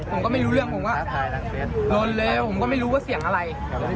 ผมก็ไม่รู้เรื่องผมก็ลนเลยผมก็ไม่รู้ว่าเสียงอะไร